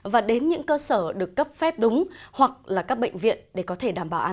và đến những cơ sở được cấp phép đúng hoặc là các bệnh viện để có thể đảm bảo an toàn